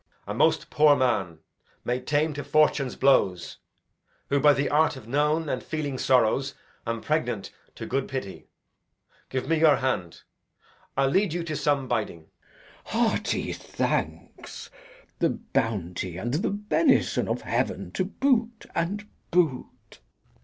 Edg. A most poor man, made tame to fortune's blows, Who, by the art of known and feeling sorrows, Am pregnant to good pity. Give me your hand; I'll lead you to some biding. Glou. Hearty thanks. The bounty and the benison of heaven To boot, and boot!